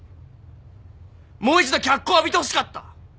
もう一度脚光浴びてほしかった！